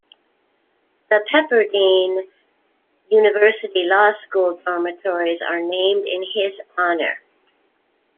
The Pepperdine University Law School dormitories are named in his honor.